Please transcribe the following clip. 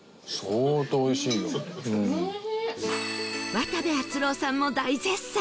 渡部篤郎さんも大絶賛